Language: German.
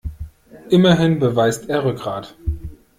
Immerhin beweist er Rückgrat.